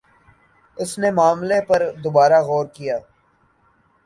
اس نے معاملے پر دوبارہ غور کِیا